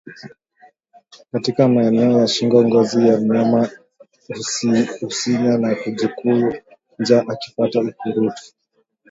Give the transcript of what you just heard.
Katika maeneo ya shingo ngozi ya mnyama husinyaa na kujikunja akipata ukurutu